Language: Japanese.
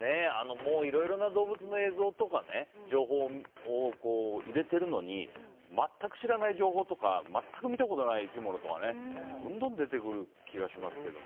いろいろな動物の映像とか情報を入れているのに全く知らない情報とか全く見たことない生き物とかねどんどん出てくる気がしますけど。